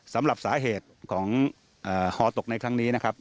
สำหรับสาเหตุของฮอตกในครั้งนี้นะครับ